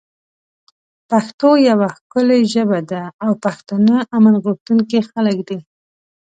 پښتو یوه ښکلی ژبه ده او پښتانه امن غوښتونکی خلک دی